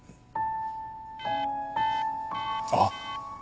あっ。